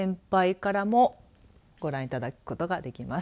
からもご覧いただくことができます。